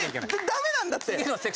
ダメなんだって！